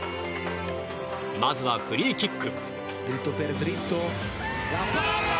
まずはフリーキック。